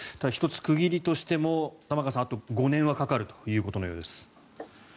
１つ、区切りとしても玉川さん、あと５年はかかるということのようです。